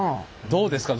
どうですか？